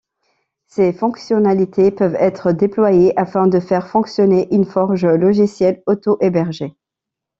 Ces fonctionnalités peuvent être déployées afin de faire fonctionner une forge logicielle auto-hébergée.